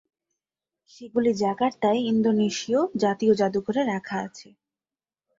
সেগুলি জাকার্তায় ইন্দোনেশিয় জাতীয় যাদুঘরে রাখা আছে।